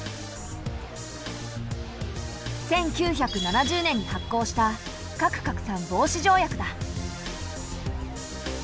１９７０年に発効した核拡散防止条約だ。